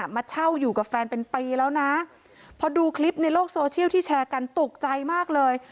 มาเช่าอยู่กับแฟนเป็นปีแล้วนะพอดูคลิปในโลกโซเชียลที่แชร์กันตกใจมากเลย